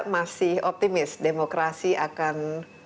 masih optimis demokrasi akan